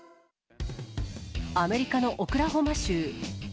アメリカのオクラホマ州。